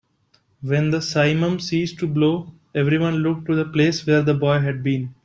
When the simum ceased to blow, everyone looked to the place where the boy had been.